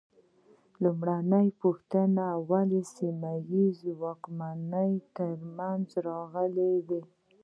لومړۍ پوښتنه: ولې سیمه ییزې واکمنۍ منځ ته راغلې وې؟